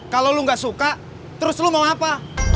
kalau lo gak suka terus lo mau apa